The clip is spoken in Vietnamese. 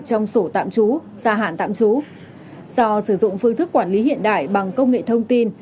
trong sổ tạm trú gia hạn tạm trú do sử dụng phương thức quản lý hiện đại bằng công nghệ thông tin